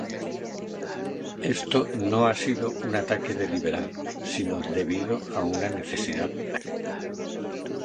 Esto no ha sido un ataque deliberado, sino debido a una necesidad táctica".